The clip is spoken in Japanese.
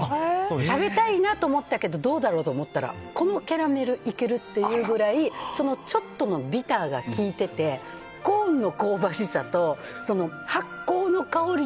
食べたいなと思ったけどどうだろうと思ったらこのキャラメルいけるっていうぐらいちょっとのビターが効いててコーンの香ばしさと発酵の香り